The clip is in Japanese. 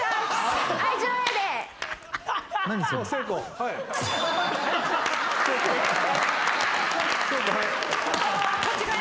はい。